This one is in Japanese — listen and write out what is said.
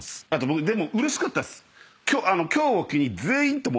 でもうれしかったです。